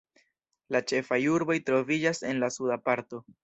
La ĉefaj urboj troviĝas en la suda parto.